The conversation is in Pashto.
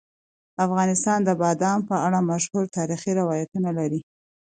افغانستان د بادام په اړه مشهور تاریخی روایتونه لري.